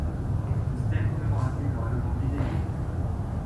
Une stèle commémorative leur est aujourd'hui dédiée.